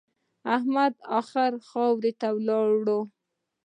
احمد اخير خاورو ته ولاړ.